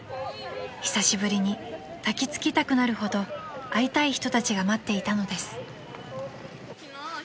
［久しぶりに抱き付きたくなるほど会いたい人たちが待っていたのです］